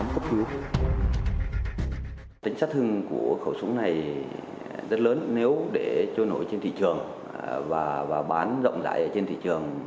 khẩu súng này rất lớn nếu để trôi nổi trên thị trường và bán rộng rãi trên thị trường